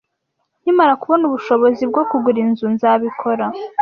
Nkimara kubona ubushobozi bwo kugura inzu, nzabikora.